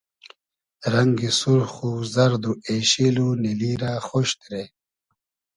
رئنگی سورخ و زئرد و اېشیل و نیلی رۂ خۉش دیرې